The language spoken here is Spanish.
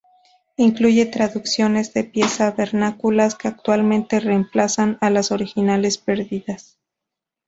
Incluye traducciones de piezas vernáculas que actualmente reemplazan a las originales perdidas.